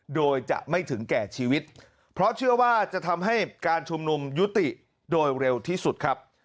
โดยจะไม่ถึงแก่ชีวิตเพราะเชื่อว่าจะทำให้การชุมนุมยุติโดยเร็วที่สุดครับ